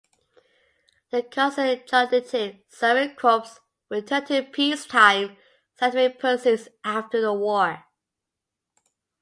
The Coast and Geodetic Survey Corps returned to peacetime scientific pursuits after the war.